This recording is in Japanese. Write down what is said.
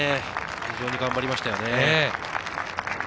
非常に頑張りましたね。